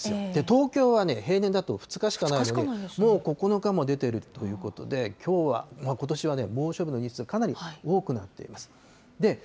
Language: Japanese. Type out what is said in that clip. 東京はね、平年だと２日しかないのに、もう９日も出ているということで、きょうは、ことしはね、猛暑日の日数、かなり多くなっています。